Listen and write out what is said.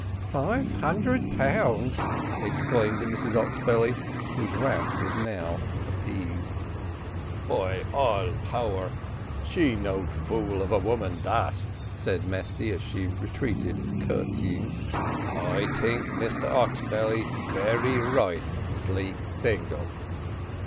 "Five hundred pounds!" exclaimed Mrs Oxbelly, whose wrath was now appeased. "By all power, she no fool of a woman dat," said Mesty, as she retreated curtseying; "I tink Mr Oxbelly very right sleep tingle."